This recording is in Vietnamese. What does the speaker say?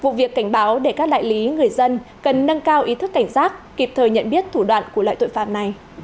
vụ việc cảnh báo để các đại lý người dân cần nâng cao ý thức cảnh giác kịp thời nhận biết thủ đoạn của loại tội phạm này